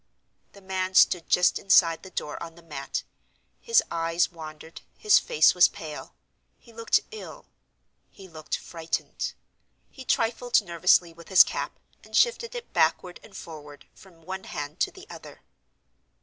The man stood just inside the door, on the mat. His eyes wandered, his face was pale—he looked ill; he looked frightened. He trifled nervously with his cap, and shifted it backward and forward, from one hand to the other.